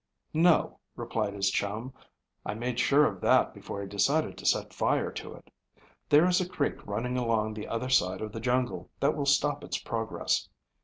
"No," replied his chum. "I made sure of that before I decided to set fire to it. There is a creek running along the other side of the jungle that will stop its progress.